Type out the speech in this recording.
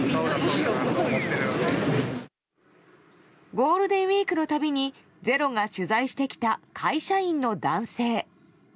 ゴールデンウィークのたびに「ｚｅｒｏ」が取材してきた会社員の男性。